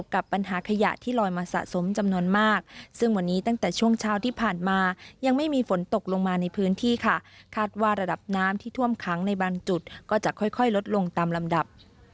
คาดว่าระดับน้ำที่ท่วมค้างในบางจุดก็จะค่อยลดลงตามลำดับ